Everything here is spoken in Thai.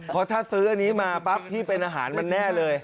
เพราะถ้าซื้ออันนี้มาปั๊บพี่เป็นอาหารมันแน่เลย